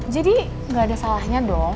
jadi gak ada salahnya dong